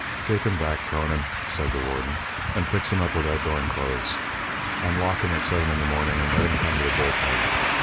"Take him back, Cronin!" said the warden, "and fix him up with outgoing clothes. Unlock him at seven in the morning, and let him come to the bull pen.